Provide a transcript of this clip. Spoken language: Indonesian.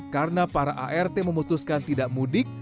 karena para art memutuskan tidak mudik